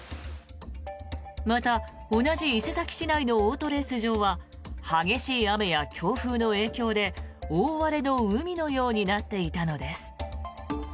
また、同じ伊勢崎市内のオートレース場は激しい雨や強風の影響で大荒れの海のようになっていたのです。